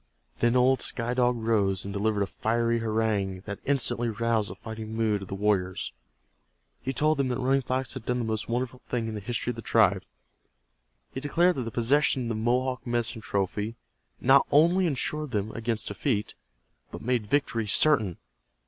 Then old Sky Dog rose and delivered a fiery harangue that instantly roused the fighting mood of the warriors. He told them that Running Fox had done the most wonderful thing in the history of the tribe. He declared that the possession of the Mohawk medicine trophy not only insured them against defeat, but made victory certain.